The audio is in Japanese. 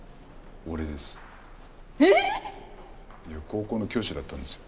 高校の教師だったんです。